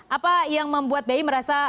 apa yang membuat bi merasa